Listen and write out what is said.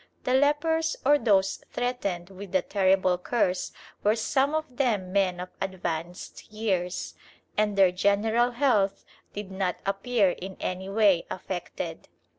The lepers or those threatened with the terrible curse were some of them men of advanced years, and their general health did not appear in any way affected.